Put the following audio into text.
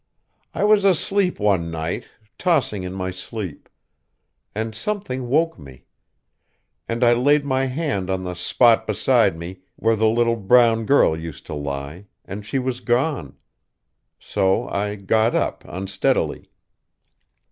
"I was asleep one night, tossing in my sleep. And something woke me. And I laid my hand on the spot beside me where the little brown girl used to lie, and she was gone. So I got up, unsteadily.